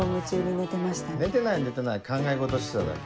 寝てない寝てない考え事してただけ。